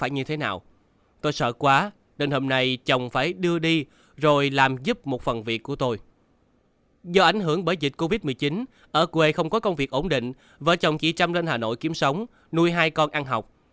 nuôi hai con ăn học